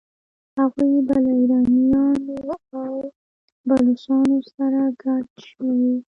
هغوی به له ایرانیانو او بلوڅانو سره ګډ شوي وي.